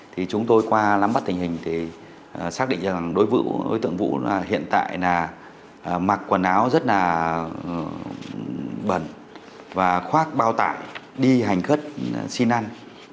thì chúng tôi qua lắm bắt tình hình thì xác định rằng đối với tượng vũ là hiện tại là mặc quần áo rất là bẩn và khoác bao tải đi hành khất xin ăn